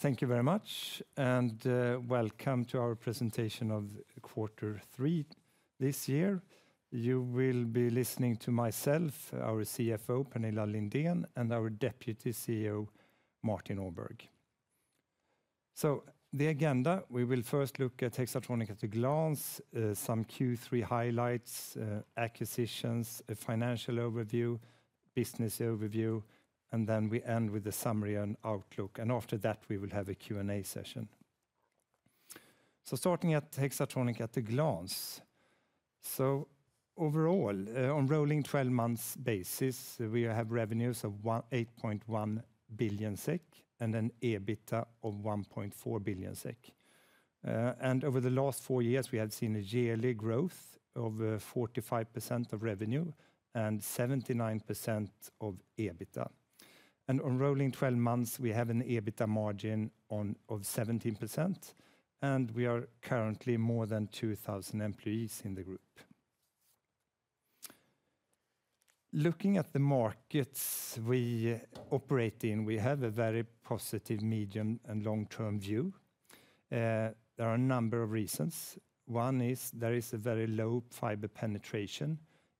Thank you very much, and welcome to our presentation of quarter three this year. You will be listening to myself, our CFO, Pernilla Lindén, and our Deputy CEO, Martin Åberg. So the agenda, we will first look at Hexatronic at a glance, some Q3 highlights, acquisitions, a financial overview, business overview, and then we end with a summary and outlook. And after that, we will have a Q&A session. So starting at Hexatronic at a glance. So overall, on rolling twelve months basis, we have revenues of 8.1 billion SEK, and an EBITDA of 1.4 billion SEK. And over the last four years, we have seen a yearly growth of 45% of revenue and 79% of EBITDA. On rolling twelve months, we have an EBITDA margin of 17%, and we are currently more than 2,000 employees in the group. Looking at the markets we operate in, we have a very positive medium and long-term view. There are a number of reasons. One is there is a very low fiber penetration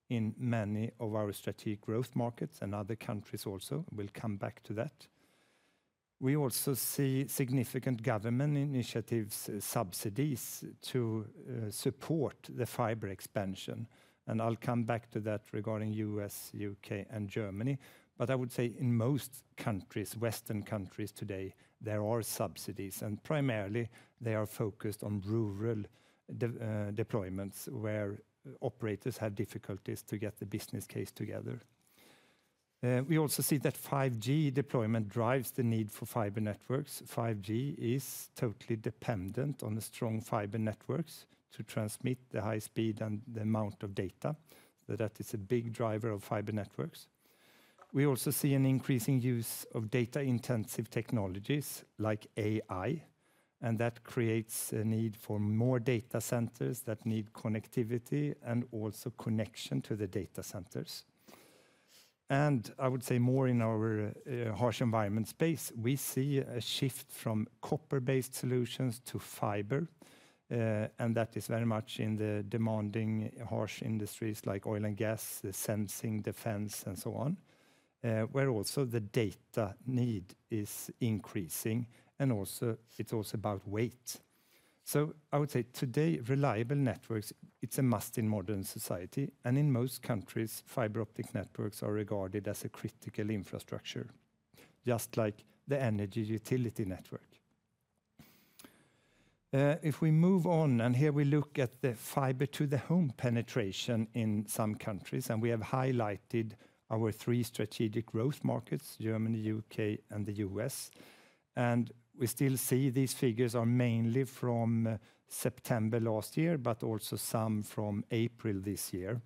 in many of our strategic growth markets and other countries also. We'll come back to that. We also see significant government initiatives, subsidies to support the fiber expansion, and I'll come back to that regarding U.S., U.K., and Germany. But I would say in most countries, Western countries today, there are subsidies, and primarily they are focused on rural deployments, where operators have difficulties to get the business case together. We also see that 5G deployment drives the need for fiber networks. 5G is totally dependent on the strong fiber networks to transmit the high speed and the amount of data. So that is a big driver of fiber networks. We also see an increasing use of data-intensive technologies like AI, and that creates a need for more data centers that need connectivity and also connection to the data centers. And I would say more in our harsh environment space, we see a shift from copper-based solutions to fiber, and that is very much in the demanding, harsh industries like oil and gas, sensing, defense, and so on, where also the data need is increasing, and also, it's also about weight. So I would say today, reliable networks, it's a must in modern society, and in most countries, fiber optic networks are regarded as a critical infrastructure, just like the energy utility network. If we move on, and here we look at the fiber to the home penetration in some countries, and we have highlighted our three strategic growth markets, Germany, U.K., and the U.S. We still see these figures are mainly from September last year, but also some from April this year.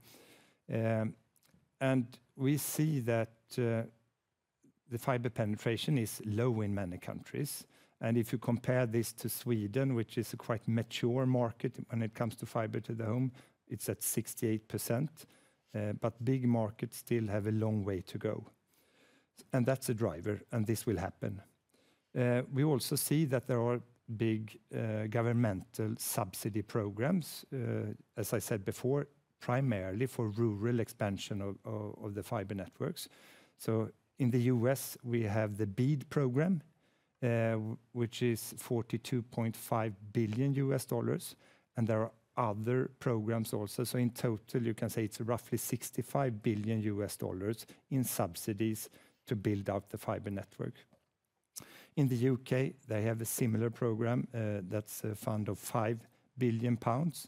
We see that the fiber penetration is low in many countries. If you compare this to Sweden, which is a quite mature market when it comes to fiber to the home, it's at 68%. But big markets still have a long way to go, and that's a driver, and this will happen. We also see that there are big governmental subsidy programs, as I said before, primarily for rural expansion of the fiber networks. So in the U.S., we have the BEAD program, which is $42.5 billion, and there are other programs also. So in total, you can say it's roughly $65 billion in subsidies to build out the fiber network. In the U.K., they have a similar program, that's a fund of 5 billion pounds.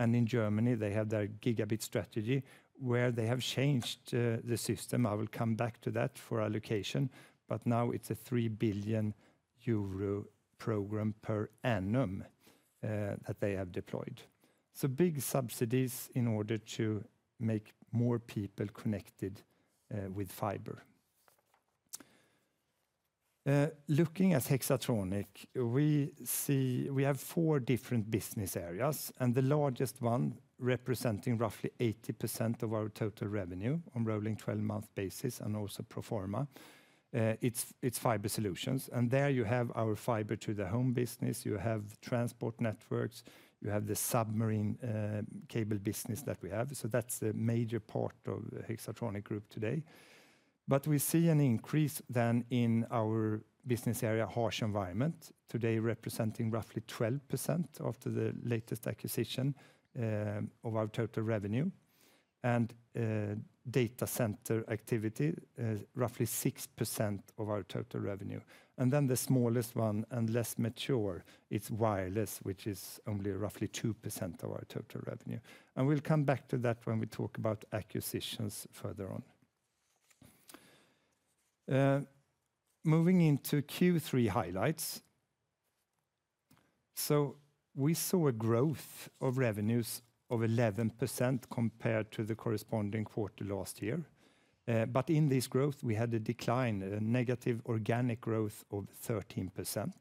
And in Germany, they have their Gigabit Strategy, where they have changed, the system. I will come back to that for allocation, but now it's a 3 billion euro program per annum, that they have deployed. So big subsidies in order to make more people connected, with fiber. Looking at Hexatronic, we see—we have four different business areas, and the largest one, representing roughly 80% of our total revenue on rolling 12-month basis and also pro forma, it's, it's fiber solutions. There you have our fiber to the home business, you have transport networks, you have the submarine cable business that we have. That's a major part of the Hexatronic Group today. But we see an increase then in our business area, harsh environment, today representing roughly 12% after the latest acquisition of our total revenue, and data center activity roughly 6% of our total revenue. Then the smallest one and less mature, it's wireless, which is only roughly 2% of our total revenue. We'll come back to that when we talk about acquisitions further on. Moving into Q3 highlights. We saw a growth of revenues of 11% compared to the corresponding quarter last year. But in this growth, we had a decline, a negative organic growth of 13%.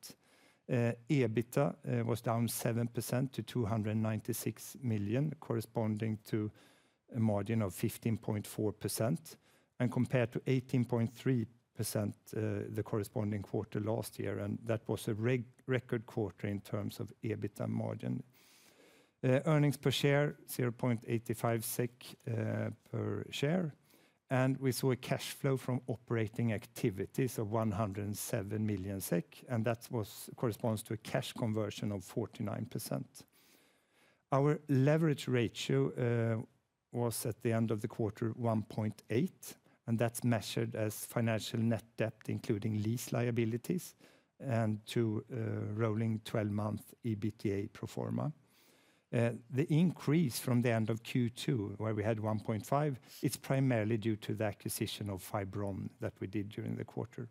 EBITDA was down 7% to 296 million, corresponding to a margin of 15.4%, and compared to 18.3%, the corresponding quarter last year, and that was a record quarter in terms of EBITDA margin. Earnings per share, 0.85 SEK per share, and we saw a cash flow from operating activities of 107 million SEK, and that corresponds to a cash conversion of 49%. Our leverage ratio was, at the end of the quarter, 1.8, and that's measured as financial net debt, including lease liabilities and to rolling 12-month EBITDA pro forma. The increase from the end of Q2, where we had 1.5, it's primarily due to the acquisition of Fibron that we did during the quarter.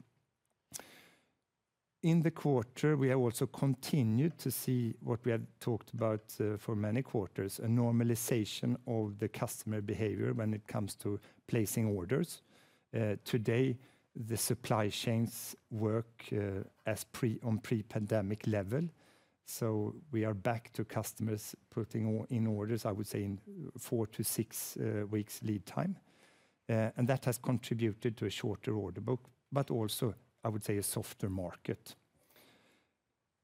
In the quarter, we have also continued to see what we had talked about for many quarters, a normalization of the customer behavior when it comes to placing orders. Today, the supply chains work as pre-pandemic level, so we are back to customers putting in orders, I would say, in four-six weeks lead time. And that has contributed to a shorter order book, but also, I would say, a softer market.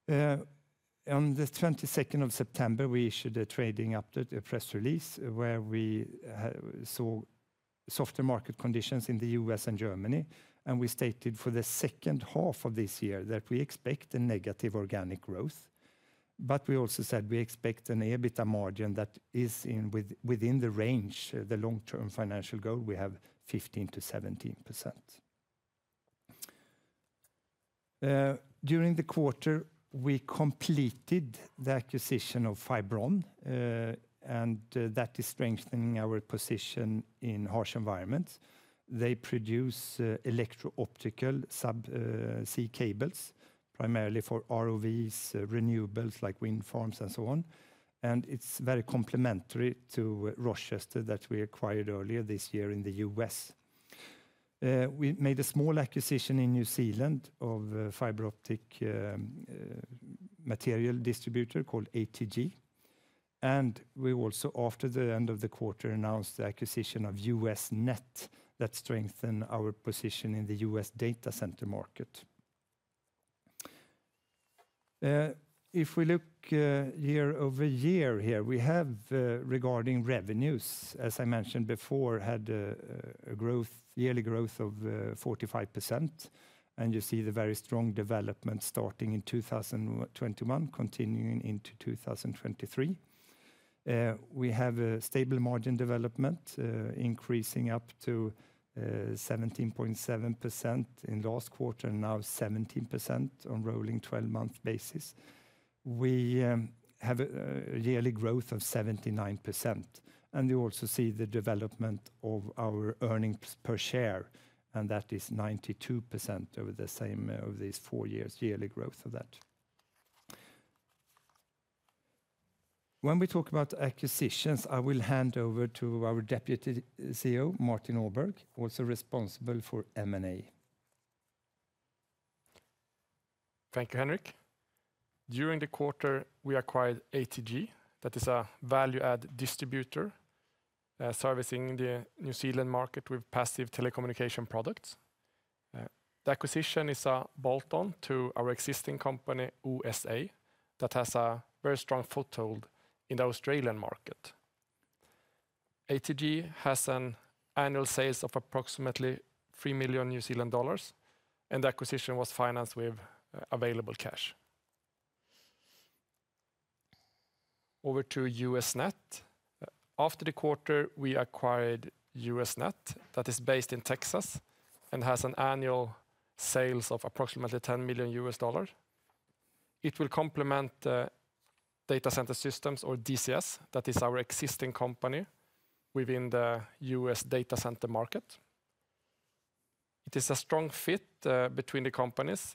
On the 22nd of September, we issued a trading update, a press release, where we saw softer market conditions in the U.S. and Germany, and we stated for the second half of this year that we expect a negative organic growth. But we also said we expect an EBITDA margin that is within the range, the long-term financial goal, we have 15%-17%. During the quarter, we completed the acquisition of Fibron, and that is strengthening our position in harsh environments. They produce electro-optical subsea cables, primarily for ROVs, renewables, like wind farms and so on, and it's very complementary to Rochester, that we acquired earlier this year in the U.S. We made a small acquisition in New Zealand of a fiber optic material distributor called ATG, and we also, after the end of the quarter, announced the acquisition of US Net that strengthen our position in the U.S. data center market. If we look year-over-year here, we have, regarding revenues, as I mentioned before, had a growth, yearly growth of 45%, and you see the very strong development starting in 2021, continuing into 2023. We have a stable margin development, increasing up to 17.7% in last quarter, now 17% on rolling 12-month basis. We have a yearly growth of 79%, and you also see the development of our earnings per share, and that is 92% over the same, over these four years, yearly growth of that. When we talk about acquisitions, I will hand over to our Deputy CEO, Martin Åberg, also responsible for M&A. Thank you, Henrik. During the quarter, we acquired ATG. That is a value-add distributor, servicing the New Zealand market with passive telecommunication products. The acquisition is a bolt-on to our existing Optical Solutions Australia, that has a very strong foothold in the Australian market. ATG has annual sales of approximately 3 million New Zealand dollars, and the acquisition was financed with available cash. Over to US Net. After the quarter, we acquired US Net, that is based in Texas and has annual sales of approximately $10 million. It will complement Data Center Systems or DCS, that is our existing company within the U.S. data center market. It is a strong fit between the companies,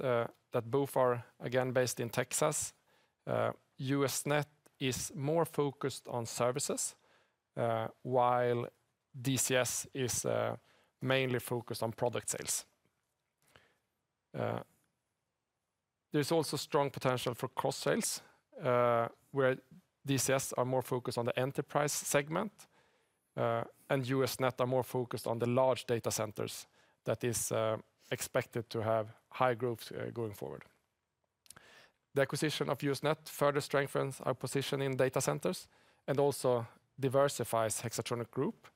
that both are, again, based in Texas. US Net is more focused on services, while DCS is mainly focused on product sales. There's also strong potential for cross sales, where DCS are more focused on the enterprise segment, and US Net are more focused on the large data centers that is expected to have high growth, going forward. The acquisition of US Net further strengthens our position in data centers and also diversifies Hexatronic Group.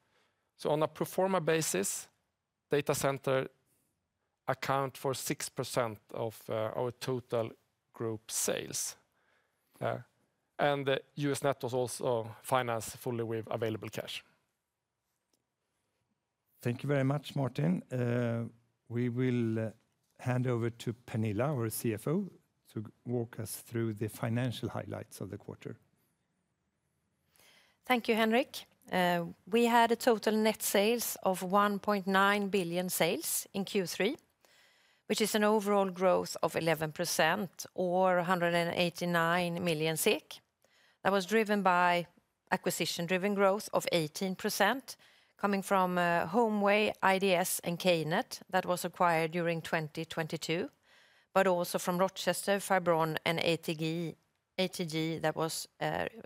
So on a pro forma basis, data center account for 6% of our total group sales, and US Net was also financed fully with available cash. Thank you very much, Martin. We will hand over to Pernilla, our CFO, to walk us through the financial highlights of the quarter.... Thank you, Henrik. We had a total net sales of 1.9 billion in Q3, which is an overall growth of 11% or 189 million. That was driven by acquisition-driven growth of 18%, coming from HomeWay, IDS, and K-net that was acquired during 2022, but also from Rochester Cable, Fibron, and ATG that was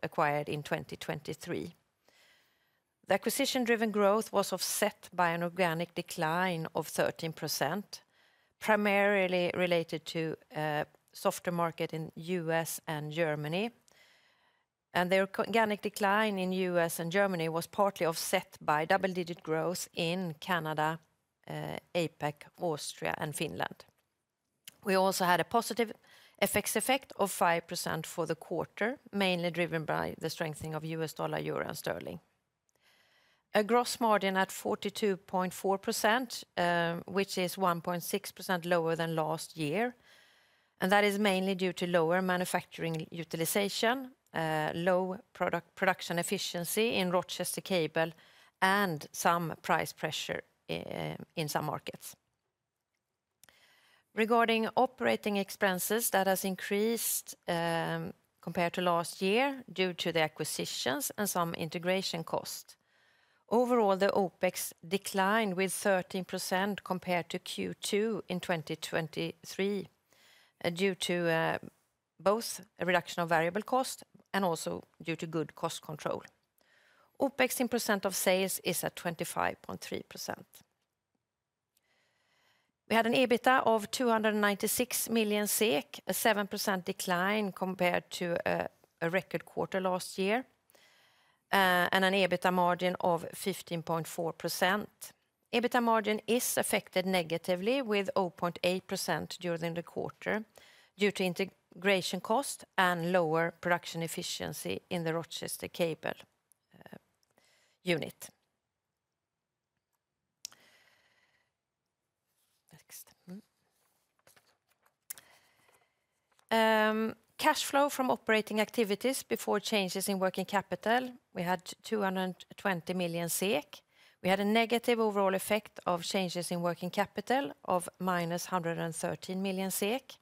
acquired in 2023. The acquisition-driven growth was offset by an organic decline of 13%, primarily related to softer market in U.S. and Germany. The organic decline in U.S. and Germany was partly offset by double-digit growth in Canada, APAC, Austria, and Finland. We also had a positive FX effect of 5% for the quarter, mainly driven by the strengthening of U.S. dollar, euro, and sterling. A gross margin at 42.4%, which is 1.6% lower than last year, and that is mainly due to lower manufacturing utilization, low product production efficiency in Rochester Cable, and some price pressure in some markets. Regarding operating expenses, that has increased compared to last year due to the acquisitions and some integration cost. Overall, the OpEx declined with 13% compared to Q2 in 2023, due to both a reduction of variable cost and also due to good cost control. OpEx in percent of sales is at 25.3%. We had an EBITDA of 296 million SEK, a 7% decline compared to a record quarter last year, and an EBITDA margin of 15.4%. EBITDA margin is affected negatively with 0.8% during the quarter due to integration cost and lower production efficiency in the Rochester Cable unit. Next. Cash flow from operating activities before changes in working capital, we had 220 million SEK. We had a negative overall effect of changes in working capital of -113 million SEK.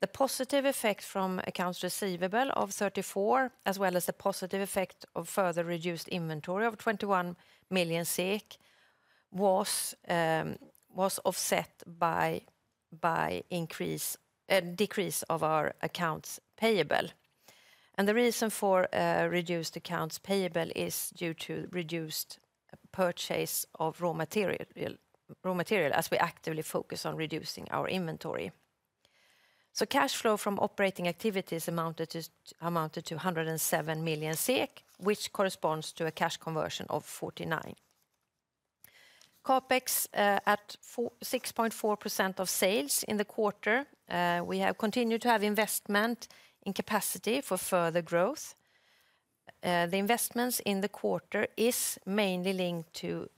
The positive effect from accounts receivable of 34 million, as well as the positive effect of further reduced inventory of 21 million SEK, was offset by decrease of our accounts payable. And the reason for reduced accounts payable is due to reduced purchase of raw material as we actively focus on reducing our inventory. So cash flow from operating activities amounted to 107 million SEK, which corresponds to a cash conversion of 49%. CapEx at 4.6% of sales in the quarter. We have continued to have investment in capacity for further growth. The investments in the quarter is mainly linked to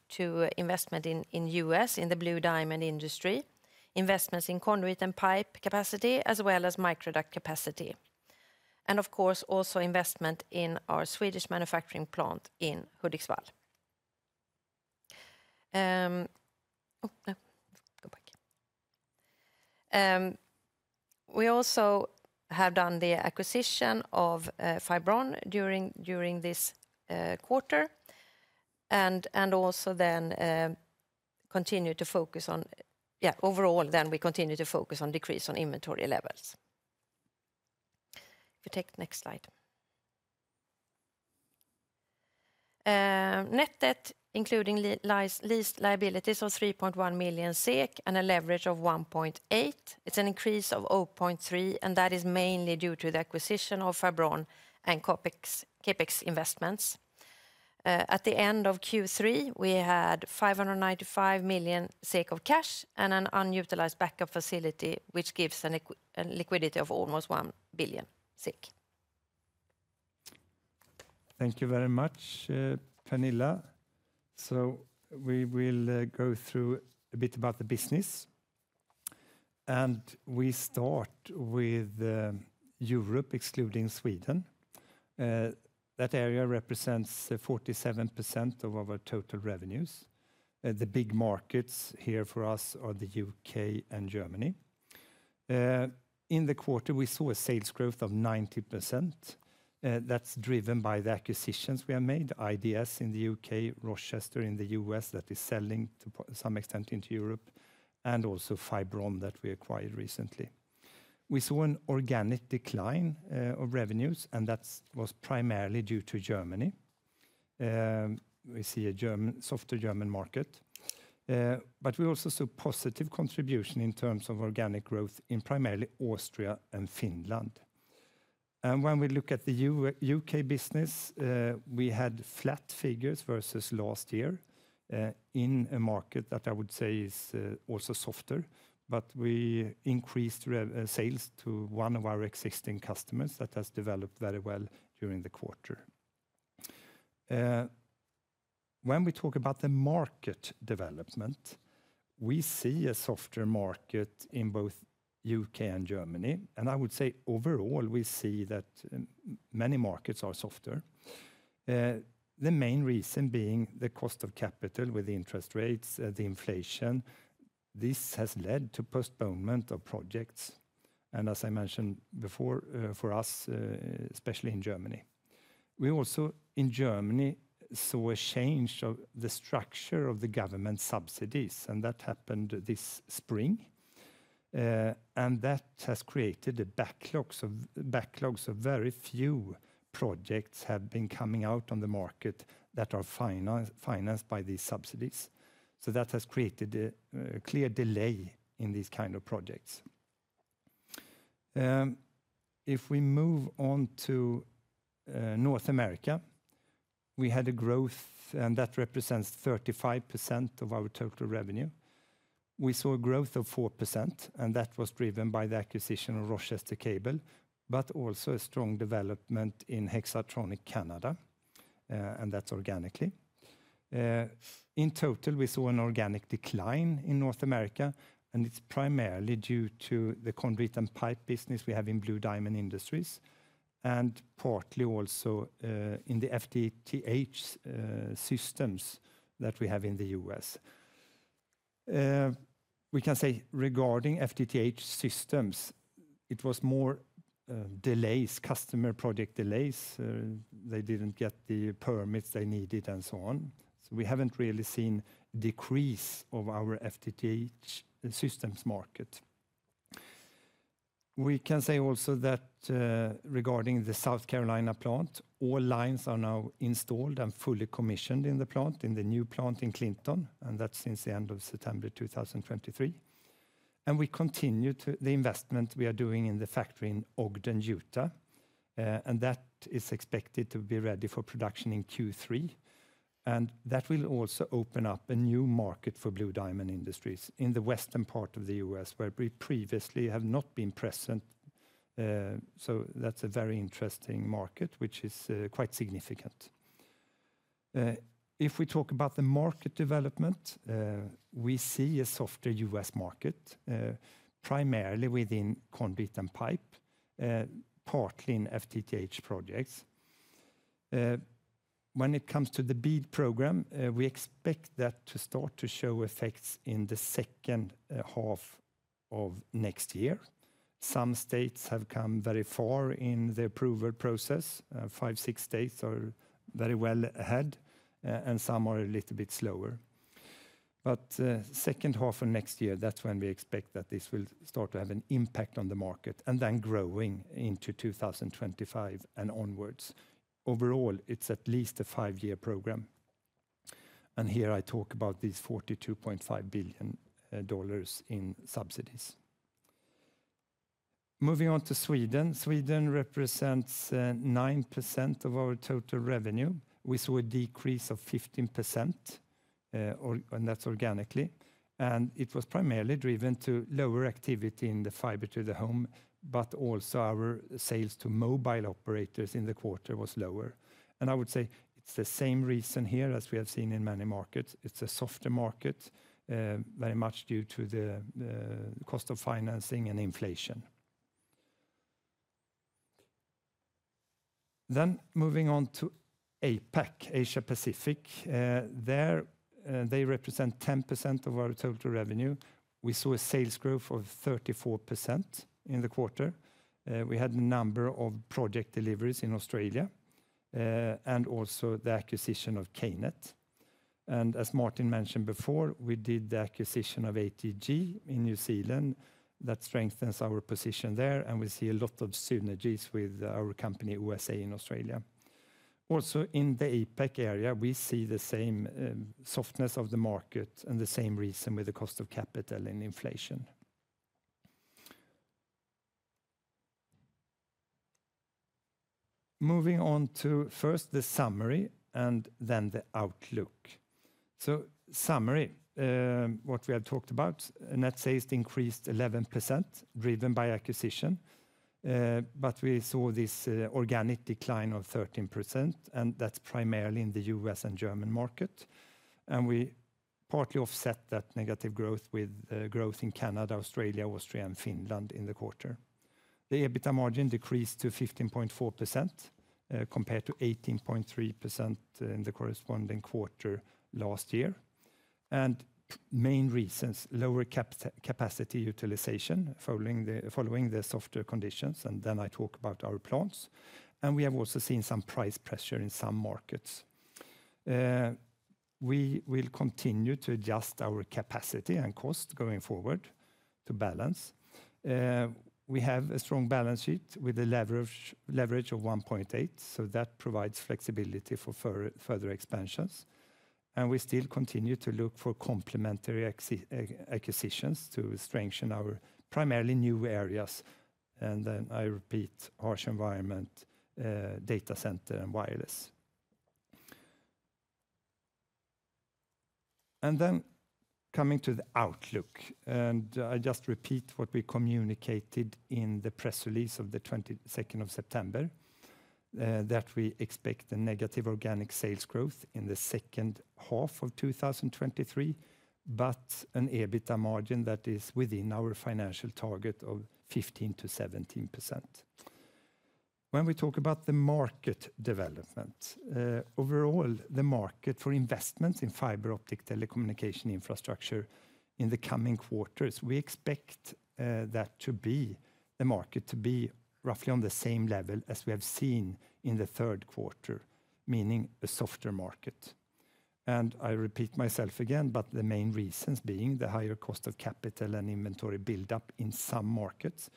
investment in the U.S., in the Blue Diamond Industries, investments in conduit and pipe capacity, as well as microduct capacity. And of course, also investment in our Swedish manufacturing plant in Hudiksvall. We also have done the acquisition of Fibron during this quarter, and also then continue to focus on... Yeah, overall, then we continue to focus on decrease on inventory levels. If you take the next slide. Net debt, including leased liabilities of 3.1 million SEK and a leverage of 1.8. It's an increase of 0.3, and that is mainly due to the acquisition of Fibron and CapEx, CapEx investments. At the end of Q3, we had 595 million of cash and an unutilized backup facility, which gives a liquidity of almost 1 billion. Thank you very much, Pernilla. So we will go through a bit about the business, and we start with Europe, excluding Sweden. That area represents 47% of our total revenues. The big markets here for us are the U.K. and Germany. In the quarter, we saw a sales growth of 90%, that's driven by the acquisitions we have made, IDS in the U.K., Rochester in the U.S., that is selling to some extent into Europe, and also Fibron that we acquired recently. We saw an organic decline of revenues, and that's was primarily due to Germany. We see a softer German market, but we also saw positive contribution in terms of organic growth in primarily Austria and Finland. And when we look at the U.K. business, we had flat figures versus last year, in a market that I would say is also softer, but we increased rev, sales to one of our existing customers that has developed very well during the quarter. When we talk about the market development, we see a softer market in both U.K. and Germany, and I would say overall, we see that many markets are softer. The main reason being the cost of capital with the interest rates, the inflation, this has led to postponement of projects, and as I mentioned before, for us, especially in Germany. We also, in Germany, saw a change of the structure of the government subsidies, and that happened this spring. And that has created a backlog of very few projects have been coming out on the market that are financed by these subsidies. So that has created a clear delay in these kind of projects. If we move on to North America, we had a growth, and that represents 35% of our total revenue. We saw a growth of 4%, and that was driven by the acquisition of Rochester Cable, but also a strong development in Hexatronic Canada, and that's organically. In total, we saw an organic decline in North America, and it's primarily due to the concrete and pipe business we have in Blue Diamond Industries, and partly also in the FTTH systems that we have in the U.S. We can say regarding FTTH systems, it was more delays, customer project delays. They didn't get the permits they needed and so on. So we haven't really seen decrease of our FTTH systems market. We can say also that, regarding the South Carolina plant, all lines are now installed and fully commissioned in the plant, in the new plant in Clinton, and that's since the end of September 2023. And we continue to the investment we are doing in the factory in Ogden, Utah, and that is expected to be ready for production in Q3, and that will also open up a new market for Blue Diamond Industries in the western part of the U.S., where we previously have not been present. So that's a very interesting market, which is quite significant. If we talk about the market development, we see a softer U.S. market, primarily within concrete and pipe, partly in FTTH projects. When it comes to the BEAD Program, we expect that to start to show effects in the second half of next year. Some states have come very far in the approval process. Five, six states are very well ahead, and some are a little bit slower. But second half of next year, that's when we expect that this will start to have an impact on the market and then growing into 2025 and onwards. Overall, it's at least a five-year program, and here I talk about these $42.5 billion in subsidies. Moving on to Sweden. Sweden represents 9% of our total revenue. We saw a decrease of 15%, and that's organically, and it was primarily driven to lower activity in the fiber to the home, but also our sales to mobile operators in the quarter was lower. And I would say it's the same reason here as we have seen in many markets. It's a softer market, very much due to the cost of financing and inflation. Then moving on to APAC, Asia Pacific. There, they represent 10% of our total revenue. We saw a sales growth of 34% in the quarter. We had a number of project deliveries in Australia, and also the acquisition of K-net. And as Martin mentioned before, we did the acquisition of ATG in New Zealand. That strengthens our position there, and we see a lot of synergies with our OSA in Australia. Also, in the APAC area, we see the same softness of the market and the same reason with the cost of capital and inflation. Moving on to first the summary and then the outlook. So, summary, what we have talked about, net sales increased 11%, driven by acquisition, but we saw this organic decline of 13%, and that's primarily in the U.S. and German market. And we partly offset that negative growth with growth in Canada, Australia, Austria, and Finland in the quarter. The EBITDA margin decreased to 15.4%, compared to 18.3% in the corresponding quarter last year. And main reasons, lower capacity utilization, following the softer conditions, and then I talk about our plants, and we have also seen some price pressure in some markets. We will continue to adjust our capacity and cost going forward to balance. We have a strong balance sheet with a leverage of 1.8, so that provides flexibility for further expansions, and we still continue to look for complementary acquisitions to strengthen our primarily new areas, and then I repeat, harsh environment, data center, and wireless. And then coming to the outlook, and I just repeat what we communicated in the press release of the twenty-second of September, that we expect a negative organic sales growth in the second half of 2023, but an EBITDA margin that is within our financial target of 15%-17%. When we talk about the market development, overall, the market for investments in fiber optic telecommunication infrastructure in the coming quarters, we expect that the market to be roughly on the same level as we have seen in the third quarter, meaning a softer market. And I repeat myself again, but the main reasons being the higher cost of capital and inventory buildup in some markets,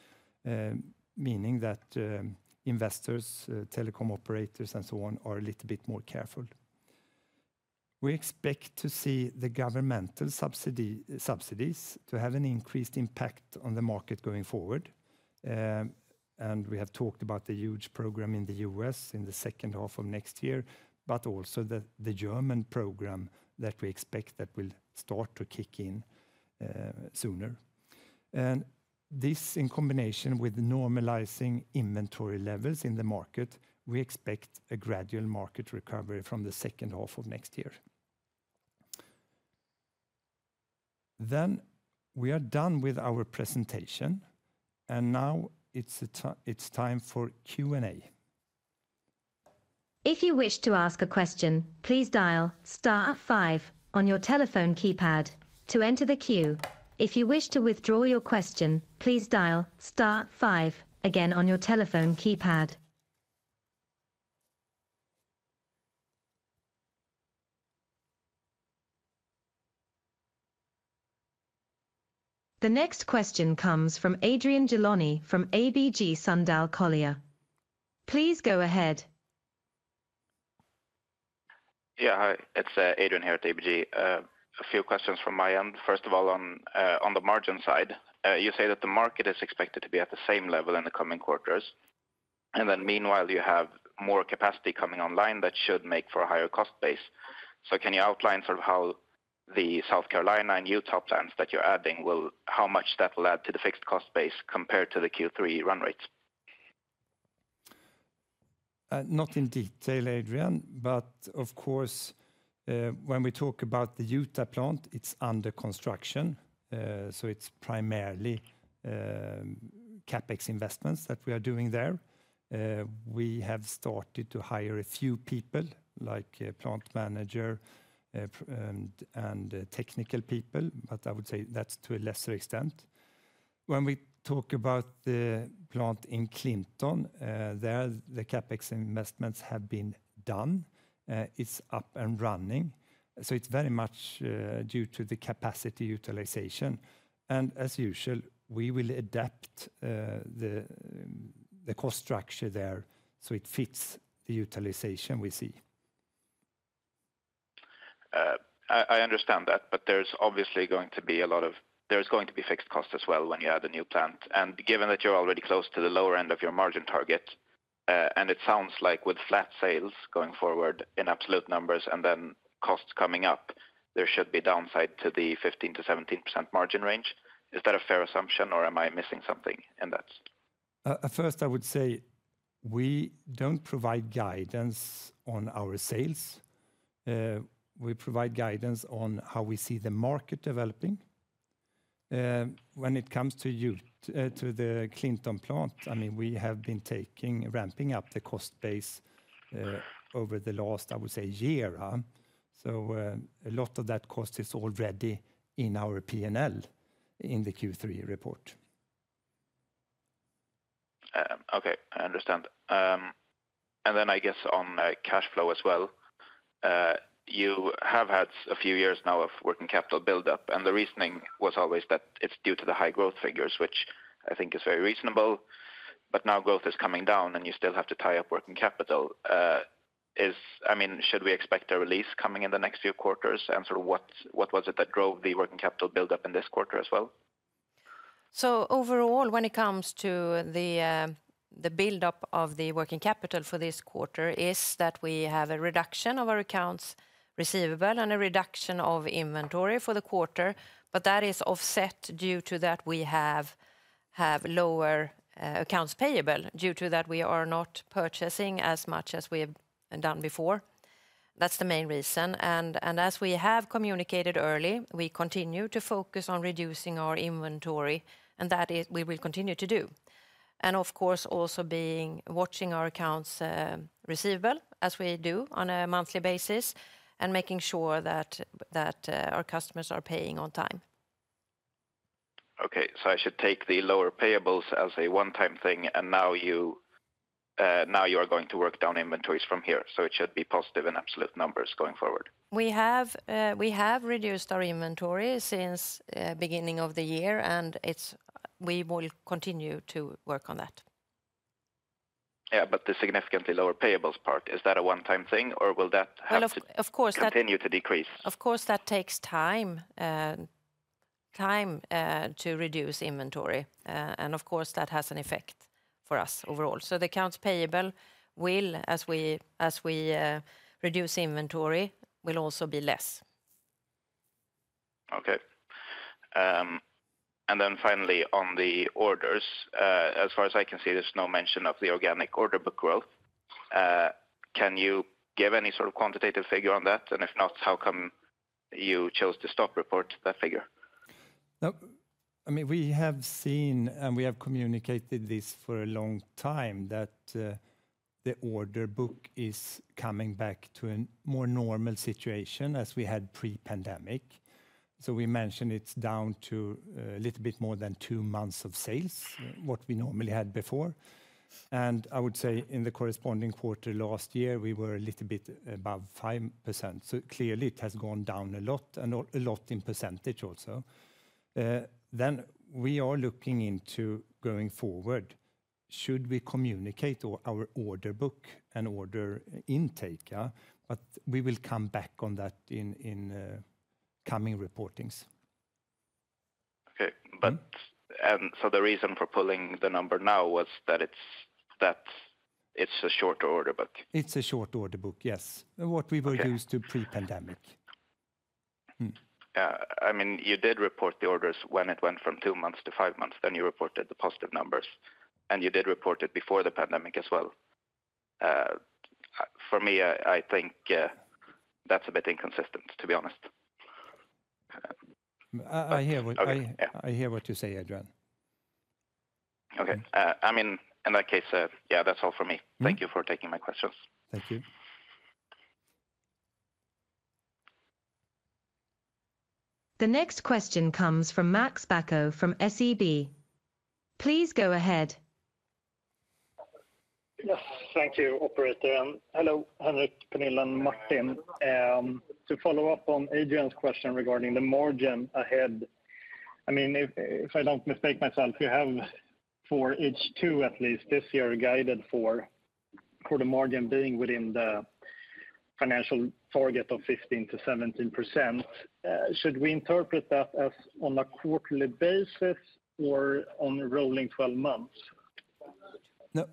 meaning that, investors, telecom operators, and so on, are a little bit more careful. We expect to see the governmental subsidies to have an increased impact on the market going forward. We have talked about the huge program in the U.S. in the second half of next year, but also the German program that we expect that will start to kick in, sooner. And this, in combination with normalizing inventory levels in the market, we expect a gradual market recovery from the second half of next year. Then we are done with our presentation, and now it's time for Q&A. If you wish to ask a question, please dial star five on your telephone keypad to enter the queue. If you wish to withdraw your question, please dial star five again on your telephone keypad. The next question comes from Adrian Gilani from ABG Sundal Collier. Please go ahead. Yeah, hi, it's Adrian here at ABG. A few questions from my end. First of all, on the margin side, you say that the market is expected to be at the same level in the coming quarters, and then meanwhile, you have more capacity coming online that should make for a higher cost base. So can you outline sort of how the South Carolina and Utah plants that you're adding will... How much that will add to the fixed cost base compared to the Q3 run rate? Not in detail, Adrian, but of course, when we talk about the Utah plant, it's under construction. So it's primarily CapEx investments that we are doing there. We have started to hire a few people, like a plant manager, and technical people, but I would say that's to a lesser extent. When we talk about the plant in Clinton, there, the CapEx investments have been done, it's up and running, so it's very much due to the capacity utilization. As usual, we will adapt the cost structure there, so it fits the utilization we see. I understand that, but there's obviously going to be a lot of—there's going to be fixed cost as well when you add a new plant. And given that you're already close to the lower end of your margin target, and it sounds like with flat sales going forward in absolute numbers and then costs coming up, there should be downside to the 15%-17% margin range. Is that a fair assumption or am I missing something in that? At first, I would say we don't provide guidance on our sales. We provide guidance on how we see the market developing. When it comes to the Clinton plant, I mean, we have been ramping up the cost base over the last, I would say, year. So, a lot of that cost is already in our P&L in the Q3 report. Okay, I understand. And then I guess on cash flow as well, you have had a few years now of working capital buildup, and the reasoning was always that it's due to the high growth figures, which I think is very reasonable. But now growth is coming down, and you still have to tie up working capital. I mean, should we expect a release coming in the next few quarters? And sort of what was it that drove the working capital buildup in this quarter as well? So overall, when it comes to the buildup of the working capital for this quarter, is that we have a reduction of our accounts receivable and a reduction of inventory for the quarter, but that is offset due to that we have lower accounts payable due to that we are not purchasing as much as we have done before. That's the main reason, and as we have communicated early, we continue to focus on reducing our inventory, and that is... we will continue to do. And of course, also being watching our accounts receivable, as we do on a monthly basis, and making sure that our customers are paying on time. Okay, so I should take the lower payables as a one-time thing, and now you, now you are going to work down inventories from here, so it should be positive and absolute numbers going forward. We have reduced our inventory since beginning of the year, and we will continue to work on that. Yeah, but the significantly lower payables part, is that a one-time thing, or will that have to- Well, of course, that- continue to decrease? Of course, that takes time to reduce inventory, and of course, that has an effect for us overall. So the accounts payable will, as we reduce inventory, will also be less. Okay. And then finally, on the orders, as far as I can see, there's no mention of the organic order book growth. Can you give any sort of quantitative figure on that? And if not, how come you chose to stop report that figure? No. I mean, we have seen, and we have communicated this for a long time, that the order book is coming back to a more normal situation as we had pre-pandemic. So we mentioned it's down to a little bit more than two months of sales, what we normally had before. And I would say in the corresponding quarter last year, we were a little bit above 5%. So clearly, it has gone down a lot, and a lot in percentage also. Then, we are looking into going forward, should we communicate our order book and order intake, yeah? But we will come back on that in coming reportings. Okay. Mm-hmm. And so the reason for pulling the number now was that it's a short order book? It's a short order book, yes. Okay. What we were used to pre-pandemic. I mean, you did report the orders when it went from two months to five months, then you reported the positive numbers, and you did report it before the pandemic as well. For me, I think, that's a bit inconsistent, to be honest. I hear what- Okay, yeah. I hear what you say, Adrian. Okay, I mean, in that case, yeah, that's all for me. Mm. Thank you for taking my questions. Thank you. The next question comes from Max Bäck from SEB. Please go ahead. Yes, thank you, operator, and hello, Henrik, Pernilla, and Martin. To follow up on Adrian's question regarding the margin ahead, I mean, if I don't mistake myself, you have, for H2 at least this year, guided for, for the margin being within the financial target of 15%-17%. Should we interpret that as on a quarterly basis or on rolling twelve months? No,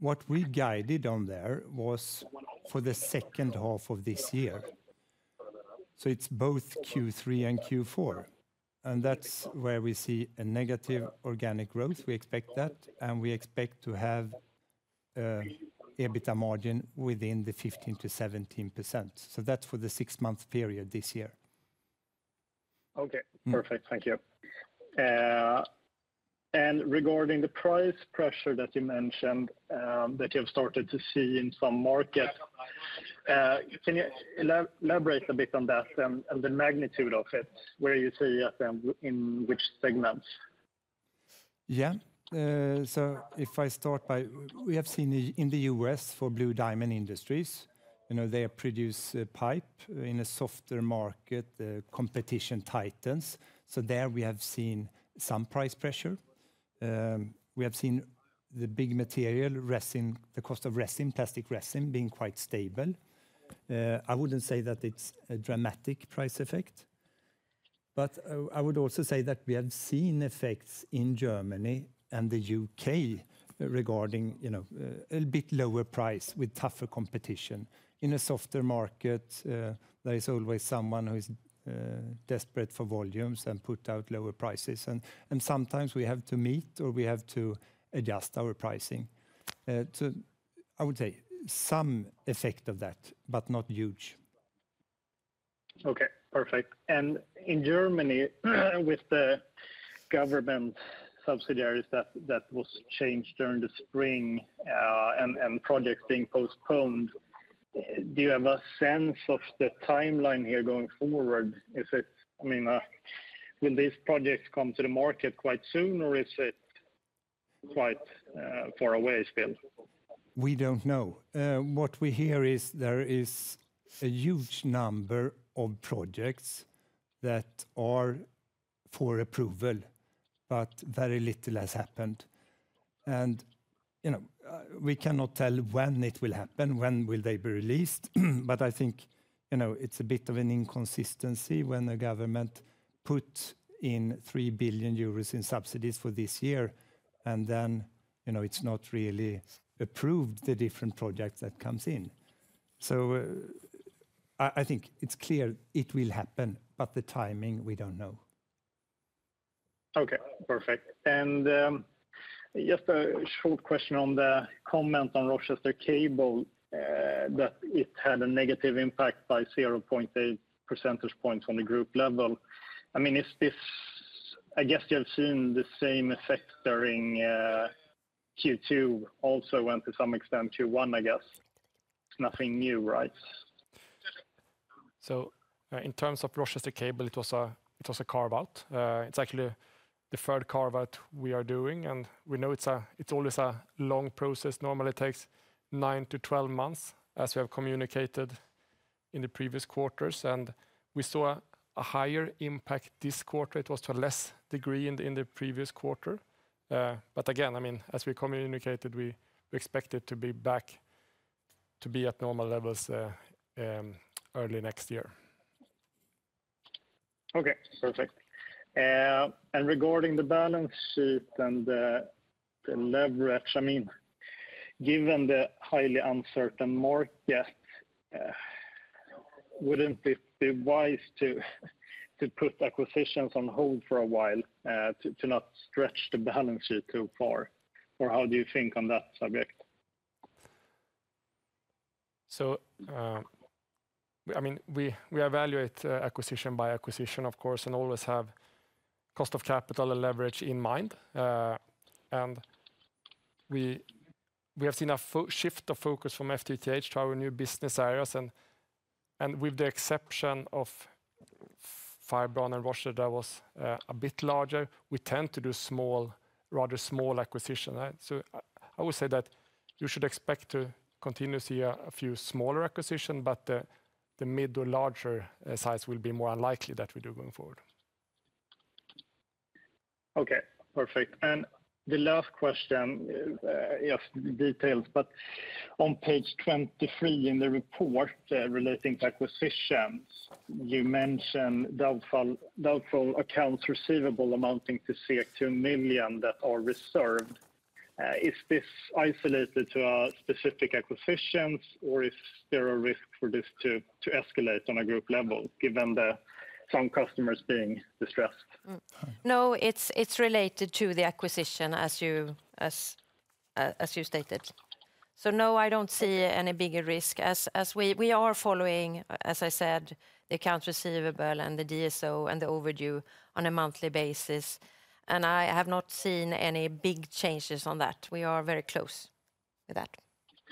what we guided on there was for the second half of this year, so it's both Q3 and Q4, and that's where we see a negative organic growth. We expect that, and we expect to have EBITDA margin within the 15%-17%, so that's for the six-month period this year. Okay. Mm. Perfect. Thank you. And regarding the price pressure that you mentioned, that you have started to see in some markets, can you elaborate a bit on that and, and the magnitude of it, where you see it and in which segments? Yeah. So if I start by, we have seen in the U.S., for Blue Diamond Industries, you know, they produce pipe. In a softer market, the competition tightens, so there we have seen some price pressure. We have seen the big material, resin, the cost of resin, plastic resin, being quite stable. I wouldn't say that it's a dramatic price effect, but I would also say that we have seen effects in Germany and the U.K. regarding, you know, a bit lower price with tougher competition. In a softer market, there is always someone who is desperate for volumes and put out lower prices, and sometimes we have to meet or we have to adjust our pricing. So I would say some effect of that, but not huge. Okay, perfect. In Germany, with the government subsidiaries that was changed during the spring, and projects being postponed, do you have a sense of the timeline here going forward? Is it... I mean, will these projects come to the market quite soon, or is it quite far away still? We don't know. What we hear is there is a huge number of projects that are for approval, but very little has happened. And, you know, we cannot tell when it will happen, when will they be released? But I think, you know, it's a bit of an inconsistency when the government put in 3 billion euros in subsidies for this year, and then, you know, it's not really approved, the different projects that comes in. So, I think it's clear it will happen, but the timing, we don't know. Okay, perfect. And, just a short question on the comment on Rochester Cable, that it had a negative impact by 0.8 percentage points on the group level. I mean, is this... I guess you have seen the same effect during, Q2, also and to some extent Q1, I guess. It's nothing new, right? So, in terms of Rochester Cable, it was a carve-out. It's actually the third carve-out we are doing, and we know it's always a long process. Normally, it takes 9-12 months, as we have communicated in the previous quarters, and we saw a higher impact this quarter. It was to a less degree in the previous quarter. But again, I mean, as we communicated, we expect it to be back to be at normal levels early next year. Okay, perfect. And regarding the balance sheet and the leverage, I mean, given the highly uncertain market, wouldn't it be wise to put acquisitions on hold for a while, to not stretch the balance sheet too far? Or how do you think on that subject? So, I mean, we evaluate acquisition by acquisition, of course, and always have cost of capital and leverage in mind. And we have seen a shift of focus from FTTH to our new business areas, and with the exception of Fibron and Rochester, that was a bit larger, we tend to do small, rather small acquisition, right? So I would say that you should expect to continue to see a few smaller acquisition, but the mid or larger size will be more unlikely that we do going forward. Okay, perfect. And the last question, yes, detailed, but on page 23 in the report, relating to acquisitions, you mentioned doubtful accounts receivable amounting to 2 million that are reserved. Is this isolated to specific acquisitions, or is there a risk for this to escalate on a group level, given the some customers being distressed? No, it's related to the acquisition, as you stated. So no, I don't see any bigger risk. As we are following, as I said, the accounts receivable and the DSO and the overdue on a monthly basis, and I have not seen any big changes on that. We are very close to that.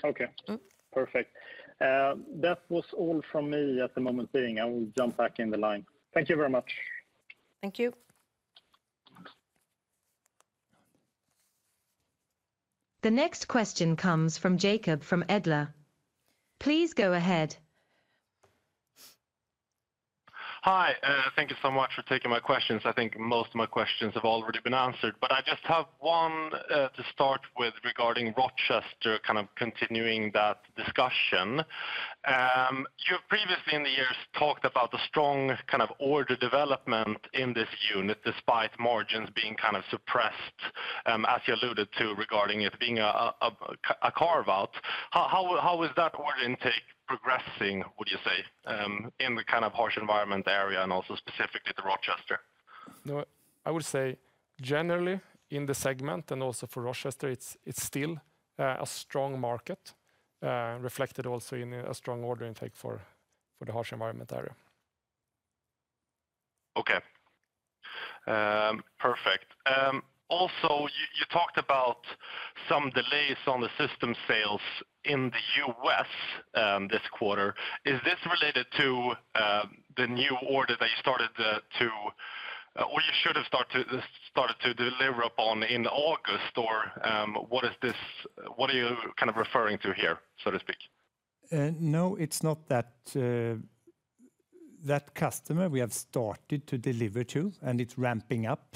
Okay. Mm. Perfect. That was all from me at the moment being. I will jump back in the line. Thank you very much. Thank you. The next question comes from Jakob from Edler. Please go ahead. Hi, thank you so much for taking my questions. I think most of my questions have already been answered, but I just have one, to start with regarding Rochester, kind of continuing that discussion. You've previously in the years talked about the strong kind of order development in this unit, despite margins being kind of suppressed, as you alluded to, regarding it being a carve-out. How is that order intake progressing, would you say, in the kind of harsh environment area and also specifically the Rochester? No, I would say generally in the segment and also for Rochester, it's still a strong market, reflected also in a strong order intake for the harsh environment area. Okay. Perfect. Also, you talked about some delays on the system sales in the U.S. this quarter. Is this related to the new order that you started to or you should have started to deliver upon in August? Or, what is this—what are you kind of referring to here, so to speak? No, it's not that. That customer we have started to deliver to, and it's ramping up.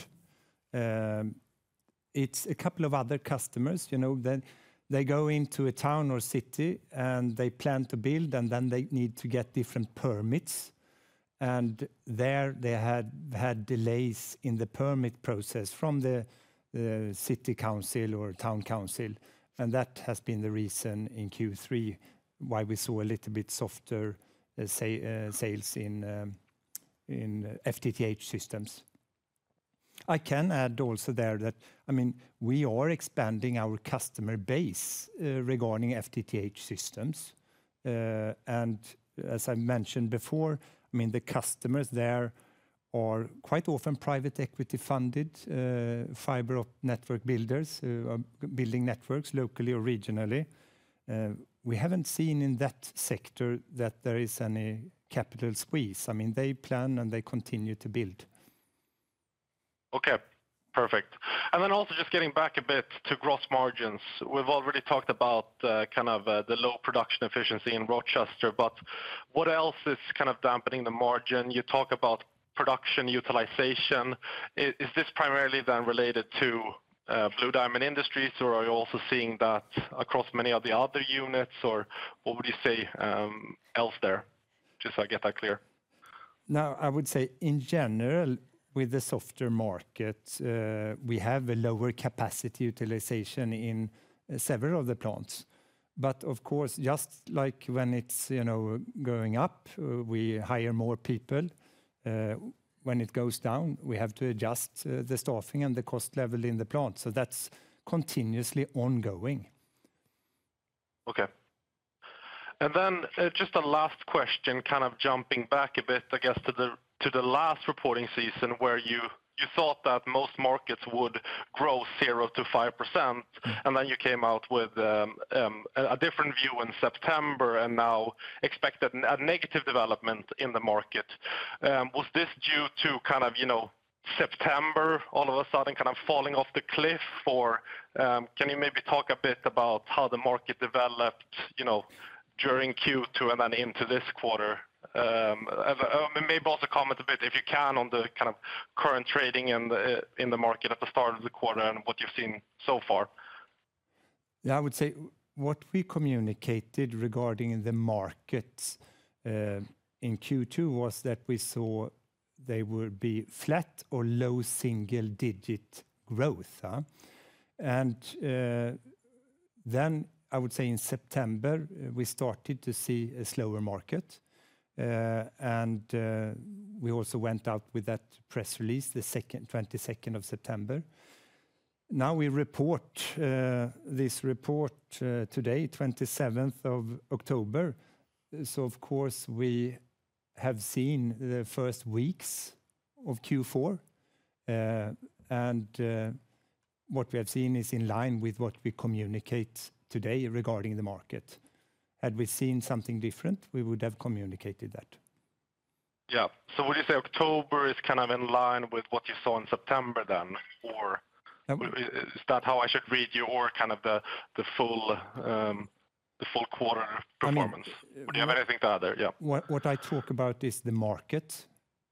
It's a couple of other customers, you know, then they go into a town or city, and they plan to build, and then they need to get different permits. And there, they had delays in the permit process from the city council or town council, and that has been the reason in Q3 why we saw a little bit softer sales in FTTH systems. I can add also there that, I mean, we are expanding our customer base regarding FTTH systems. And as I mentioned before, I mean, the customers there are quite often private equity-funded fiber optic network builders building networks locally or regionally. We haven't seen in that sector that there is any capital squeeze. I mean, they plan, and they continue to build. Okay, perfect. And then also just getting back a bit to gross margins. We've already talked about kind of the low production efficiency in Rochester, but what else is kind of dampening the margin? You talk about production utilization. Is this primarily then related to Blue Diamond Industries, or are you also seeing that across many of the other units? Or what would you say else there? Just so I get that clear. No, I would say in general, with the softer market, we have a lower capacity utilization in several of the plants. But of course, just like when it's, you know, going up, we hire more people, when it goes down, we have to adjust the staffing and the cost level in the plant. So that's continuously ongoing. Okay. And then, just a last question, kind of jumping back a bit, I guess, to the last reporting season, where you thought that most markets would grow 0%-5%, and then you came out with a different view in September and now expect a negative development in the market. Was this due to kind of, you know, September all of a sudden kind of falling off the cliff? Or, can you maybe talk a bit about how the market developed, you know, during Q2 and then into this quarter? Maybe also comment a bit, if you can, on the kind of current trading in the market at the start of the quarter and what you've seen so far.... Yeah, I would say what we communicated regarding the markets in Q2 was that we saw they would be flat or low single-digit growth, huh? And then I would say in September, we started to see a slower market, and we also went out with that press release, the 22nd of September. Now, we report this report today, 27th of October. So of course, we have seen the first weeks of Q4, and what we have seen is in line with what we communicate today regarding the market. Had we seen something different, we would have communicated that. Yeah. So would you say October is kind of in line with what you saw in September then? Or- Yeah. Is that how I should read you or kind of the full quarter performance? I mean- Would you have anything to add there? Yeah. What I talk about is the market,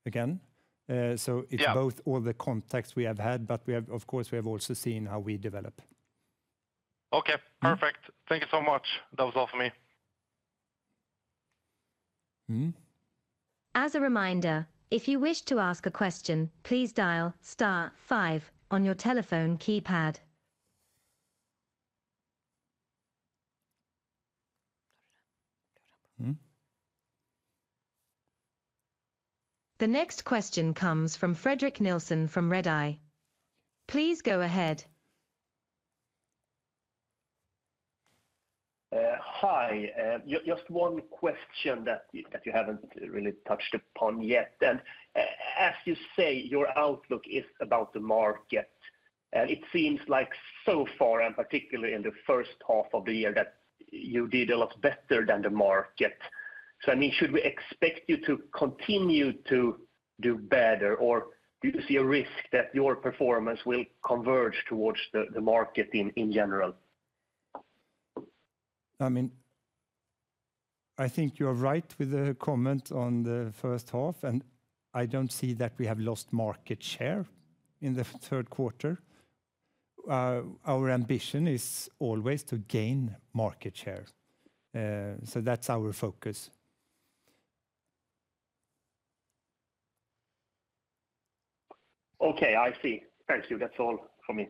again. Yeah... it's both all the context we have had, but we have, of course, we have also seen how we develop. Okay, perfect. Mm. Thank you so much. That was all for me. Mm-hmm. As a reminder, if you wish to ask a question, please dial star five on your telephone keypad. Mm. The next question comes from Fredrik Nilsson from Redeye. Please go ahead. Hi, just one question that you haven't really touched upon yet. As you say, your outlook is about the market, and it seems like so far, and particularly in the first half of the year, that you did a lot better than the market. So, I mean, should we expect you to continue to do better, or do you see a risk that your performance will converge towards the market in general? I mean, I think you're right with the comment on the first half, and I don't see that we have lost market share in the third quarter. Our ambition is always to gain market share. So that's our focus. Okay, I see. Thank you. That's all from me.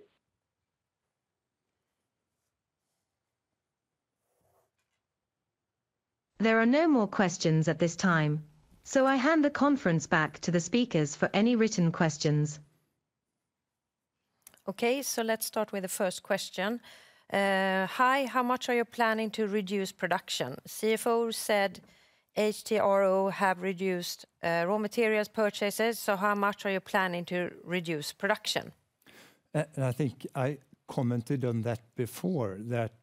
There are no more questions at this time, so I hand the conference back to the speakers for any written questions. Okay, so let's start with the first question. "Hi, how much are you planning to reduce production? CFO said HTRO have reduced raw materials purchases, so how much are you planning to reduce production? I think I commented on that before, that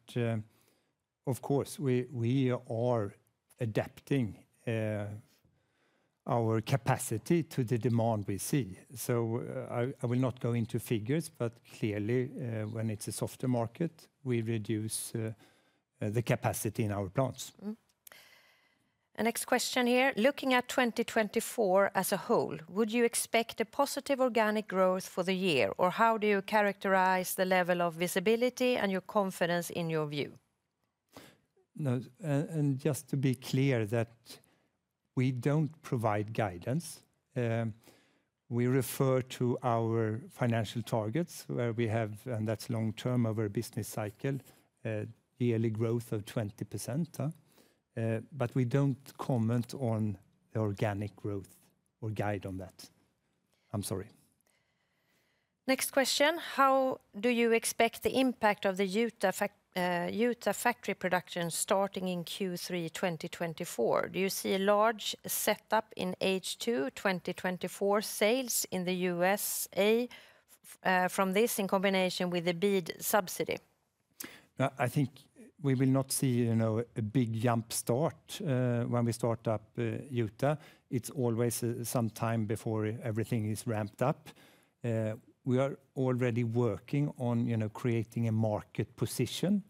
of course we are adapting our capacity to the demand we see. So I will not go into figures, but clearly, when it's a softer market, we reduce the capacity in our plants. Next question here: "Looking at 2024 as a whole, would you expect a positive organic growth for the year, or how do you characterize the level of visibility and your confidence in your view? No, and just to be clear, that we don't provide guidance. We refer to our financial targets, where we have, and that's long term, over a business cycle, a yearly growth of 20%, but we don't comment on the organic growth or guide on that. I'm sorry. Next question: "How do you expect the impact of the Utah factory production starting in Q3 2024? Do you see a large setup in H2 2024 sales in the USA, from this in combination with the BEAD subsidy? I think we will not see, you know, a big jump start when we start up Utah. It's always some time before everything is ramped up. We are already working on, you know, creating a market position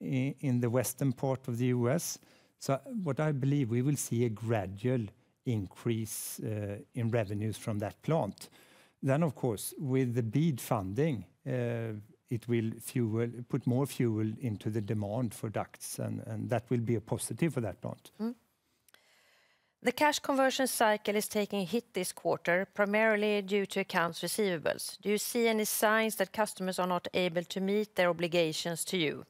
in the western part of the U.S. So what I believe we will see a gradual increase in revenues from that plant. Then, of course, with the BEAD funding, it will put more fuel into the demand for ducts, and that will be a positive for that plant. The cash conversion cycle is taking a hit this quarter, primarily due to accounts receivables. Do you see any signs that customers are not able to meet their obligations to you?"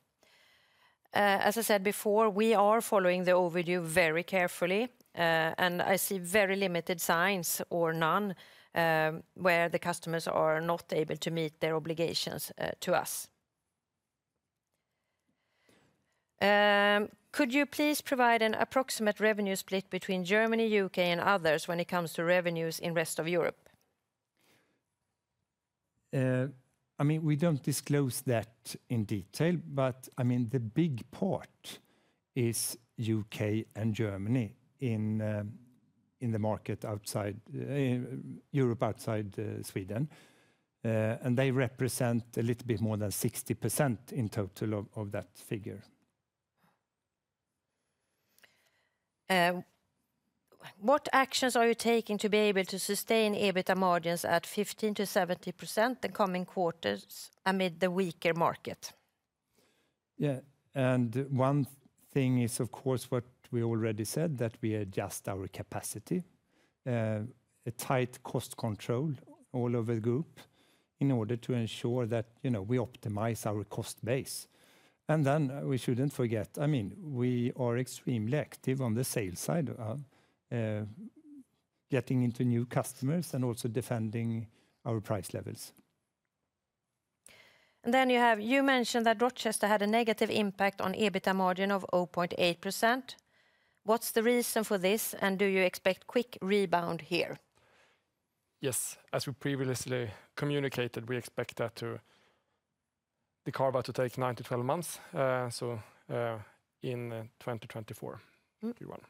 As I said before, we are following the overview very carefully, and I see very limited signs or none, where the customers are not able to meet their obligations to us. "Could you please provide an approximate revenue split between Germany, U.K., and others when it comes to revenues in rest of Europe? I mean, we don't disclose that in detail, but, I mean, the big part is U.K. and Germany in, in the market outside, Europe, outside, Sweden. And they represent a little bit more than 60% in total of, of that figure. ... What actions are you taking to be able to sustain EBITDA margins at 15%-70% the coming quarters amid the weaker market? Yeah, and one thing is, of course, what we already said, that we adjust our capacity. A tight cost control all over the group in order to ensure that, you know, we optimize our cost base. And then we shouldn't forget, I mean, we are extremely active on the sales side, getting into new customers and also defending our price levels. And then you have, you mentioned that Rochester had a negative impact on EBITDA margin of 0.8%. What's the reason for this, and do you expect quick rebound here? Yes. As we previously communicated, we expect that the carve-out to take 9-12 months, so, in 2024, we want.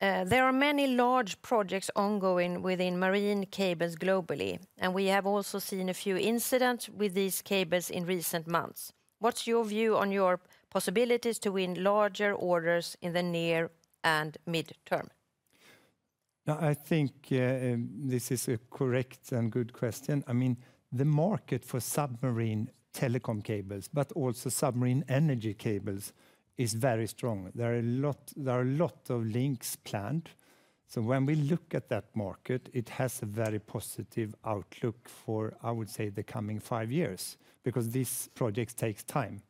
There are many large projects ongoing within marine cables globally, and we have also seen a few incidents with these cables in recent months. What's your view on your possibilities to win larger orders in the near and mid-term? I think, this is a correct and good question. I mean, the market for submarine telecom cables, but also submarine energy cables, is very strong. There are a lot, there are a lot of links planned. So when we look at that market, it has a very positive outlook for, I would say, the coming five years, because these projects takes time.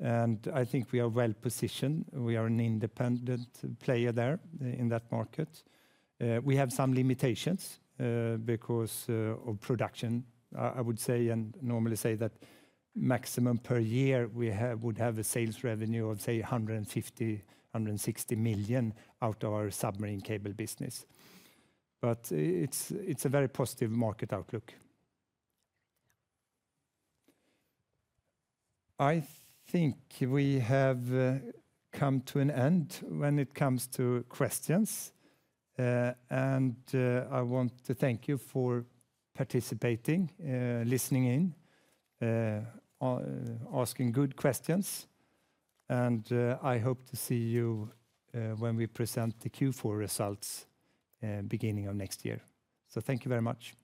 And I think we are well positioned. We are an independent player there in that market. We have some limitations because of production. I would say, and normally say that maximum per year, we would have a sales revenue of, say, 150 million-160 million out of our submarine cable business. But it's a very positive market outlook. I think we have come to an end when it comes to questions. I want to thank you for participating, listening in, asking good questions, and I hope to see you when we present the Q4 results beginning of next year. So thank you very much!